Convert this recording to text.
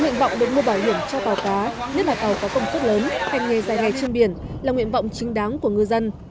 nguyện vọng được mua bảo hiểm cho tàu cá nhất là tàu có công suất lớn hành nghề dài ngày trên biển là nguyện vọng chính đáng của ngư dân